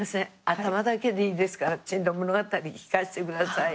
頭だけでいいですから『珍島物語』聞かせてください。